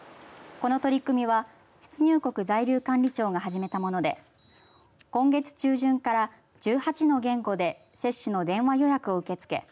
この取り組みは出入国在留管理庁が始めたもので今月中旬から１８の言語で接種の電話予約を受け付け